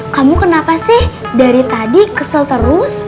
kamu kenapa sih dari tadi kesel terus